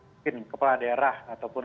mungkin kepala daerah ataupun